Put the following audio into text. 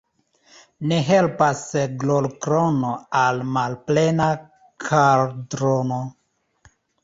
Ne helpas glorkrono al malplena kaldrono.